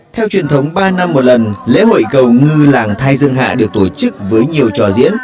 theo truyền thống ba năm một lần lễ hội cầu ngư làng thay dương hạ được tổ chức với nhiều trò diễn